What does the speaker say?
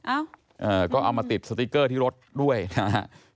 เอ้าก็เอามาติดสติ๊กเกอร์ที่รถด้วยนะครับ